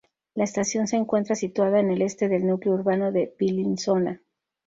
La estación se encuentra situada en el este del núcleo urbano de Bellinzona.